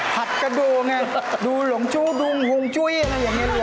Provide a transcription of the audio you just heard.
ผัดก็ดูไงดูหลงจุดูหุงจุ้ยอะไรอย่างนี้